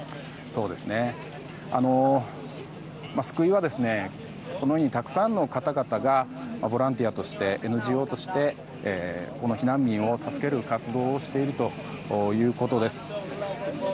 救いはこのようにたくさんの方々がボランティアとしてＮＧＯとしてこの避難民を助ける活動をしているということです。